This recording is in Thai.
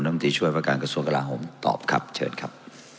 มตรีช่วยประการกระทรวงกลาโหมตอบครับเชิญครับ